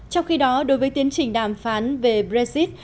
trong khi đó đối với tiến trình đàm phán về brexit